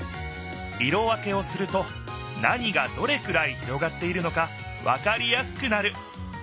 色分けをすると何がどれくらい広がっているのかわかりやすくなる。